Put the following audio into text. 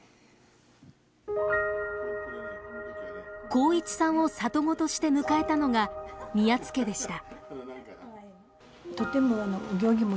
航一さんを里子として迎えたのが宮津家でした